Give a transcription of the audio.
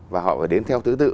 và họ phải đến theo tứ tự